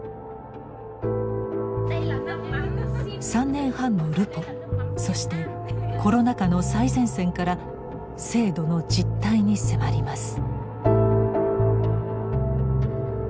３年半のルポそしてコロナ禍の最前線から制度の実態に迫ります。